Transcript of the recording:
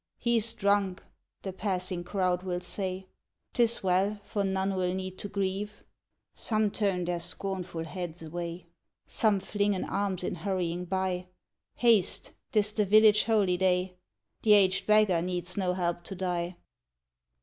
"He's drunk," the passing crowd will say 'T is well, for none will need to grieve. Some turn their scornful heads away, Some fling an alms in hurrying by; Haste, 't is the village holyday! The aged beggar needs no help to die.